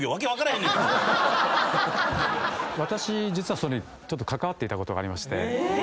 私実はそれちょっと関わっていたことがありまして。